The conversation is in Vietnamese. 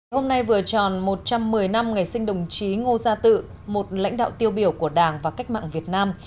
hôm nay vừa tròn một trăm một mươi năm ngày sinh đồng chí ngô gia tự một lãnh đạo tiêu biểu của đảng và cách mạng việt nam